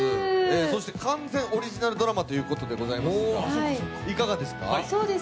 そして完全オリジナルドラマということでございますが、いかがですか？